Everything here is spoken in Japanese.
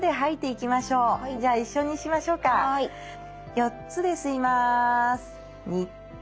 ４つで吸います。